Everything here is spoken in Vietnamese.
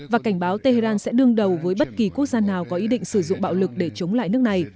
và cảnh báo tehran sẽ đương đầu với bất kỳ quốc gia nào có ý định sử dụng bạo lực để chống lại nước này